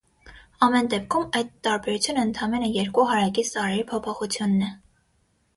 Ամեն դեպքում այդ տարբերությունը ընդամենը երկու հարակից տարրերի փոփոխությունն է։